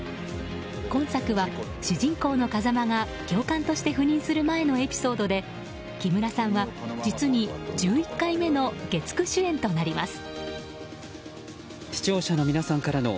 今作は主人公の風間が教官として赴任する前のエピソードで木村さんは、実に１１回目の月９主演となります。